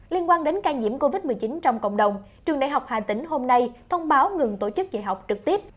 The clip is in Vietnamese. liên quan đến ca nhiễm covid một mươi chín trong cộng đồng trường đại học hà tĩnh hôm nay thông báo ngừng tổ chức dạy học trực tiếp